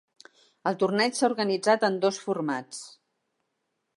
El torneig s'ha organitzat en dos formats.